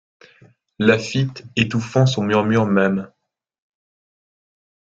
Laffitte, étouffant son murmure même.